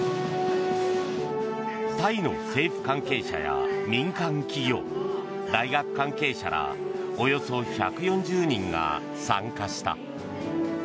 タイの政府関係者や民間企業大学関係者らおよそ１４０人が参加した。